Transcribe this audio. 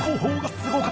すごい。